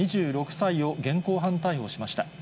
２６歳を現行犯逮捕しました。